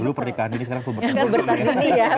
dulu pernikahan ini sekarang pubertas